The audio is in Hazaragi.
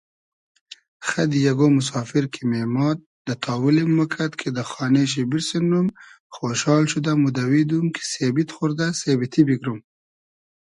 خئدی یئگۉ موسافیر کی مېماد کی تاولیم موکئد کی دۂ خانې شی بیرسینوم خۉشال شودۂ مودئویدوم کی سېبید خۉردۂ سېبتی بیگروم